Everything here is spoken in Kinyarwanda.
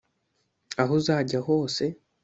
aho uzajya hose